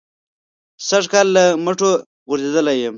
سږ کال له مټو غورځېدلی یم.